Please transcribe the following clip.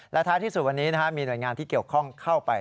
และท้ายที่สุดวันนี้มีหน่วยงานที่เกี่ยวข้องเข้าไป